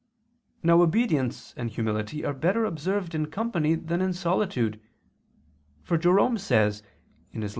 Now obedience and humility are better observed in company than in solitude; for Jerome says (Ep.